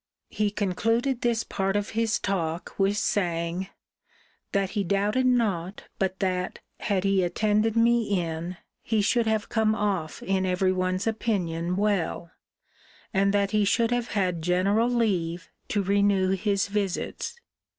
He concluded this part of his talk, with saying, 'That he doubted not but that, had he attended me in, he should have come off in every one's opinion well, that he should have had general leave to renew his visits.'